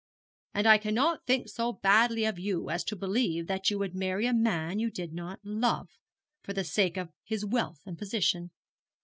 And I cannot think so badly of you as to believe that you would marry a man you did not love, for the sake of his wealth and position.